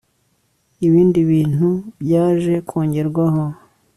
ibindi bintu byaje kongerwaho